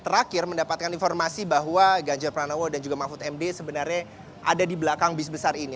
terakhir mendapatkan informasi bahwa ganjar pranowo dan juga mahfud md sebenarnya ada di belakang bis besar ini